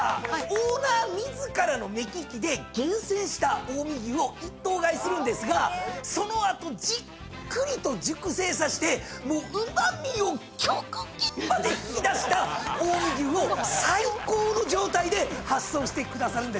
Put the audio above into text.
オーナー自らの目利きで厳選した近江牛を一頭買いするんですがその後じっくりと熟成させてもううま味を極限まで引き出した近江牛を最高の状態で発送してくださるんですよね。